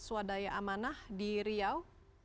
swadaya amanah di riau